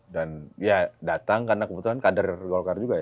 dan ya datang karena kebetulan kader golkar juga ya